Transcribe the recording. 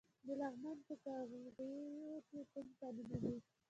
د لغمان په قرغیو کې کوم کانونه دي؟